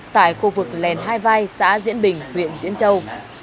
tại khu vực lèn hai vai xã diễn bình huyện diễn châu